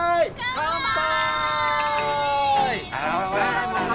乾杯！